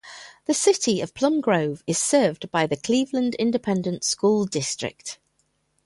The City of Plum Grove is served by the Cleveland Independent School District.